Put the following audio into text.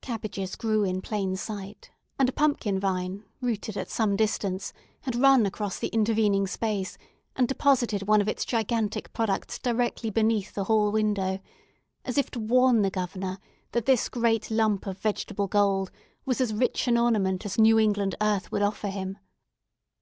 Cabbages grew in plain sight; and a pumpkin vine, rooted at some distance, had run across the intervening space, and deposited one of its gigantic products directly beneath the hall window, as if to warn the Governor that this great lump of vegetable gold was as rich an ornament as New England earth would offer him.